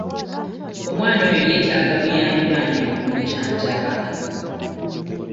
Omwana oyo yeetaaga buyambi bambi okumujjanjaba.